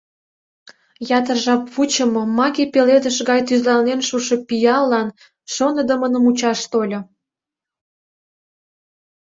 Ятыр жап вучымо, маке пеледыш гай тӱзланен шушо пиаллан шоныдымын мучаш тольо.